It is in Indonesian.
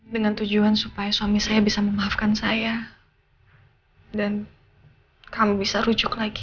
dengan tujuan supaya suami saya bisa memaafkan saya dan kamu bisa rujuk lagi